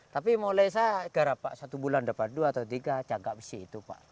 tapi mulai saya gara gara pak satu bulan dapat dua atau tiga jaga bisi itu pak